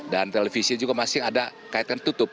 dan televisi juga masing ada kaitan tutup